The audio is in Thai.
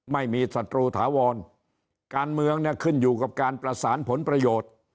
ศัตรูถาวรการเมืองเนี่ยขึ้นอยู่กับการประสานผลประโยชน์